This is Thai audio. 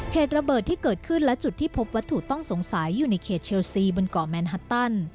เหตุระเบิดที่เกิดขึ้นและจุดที่พบวัตถุต้องสงสัยอยู่ในเขตเชลซีบนเกาะแมนฮัตตัน